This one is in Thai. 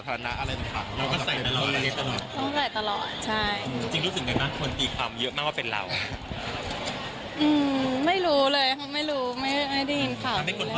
โอ้โหเค้าก็คิดเยอะอะไรแหละค่ะ